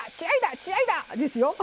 血合いだ！ですよ。